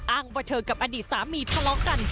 ว่าเธอกับอดีตสามีทะเลาะกัน